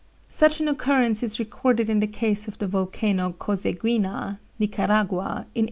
Such an occurrence is recorded in the case of the volcano Coseguina, Nicaragua, in 1835.